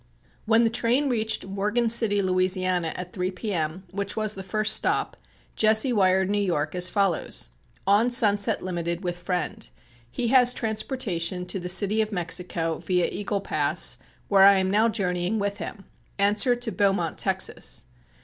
When the train reached Morgan City, Louisiana, at 3 P.M., which was the first stop, Jesse wired New York as follows: On Sunset Limited with friend. He has transportation to the City of Mexico, via Eagle Pass, where I am now journeying with him. Answer to Beaumont, Texas.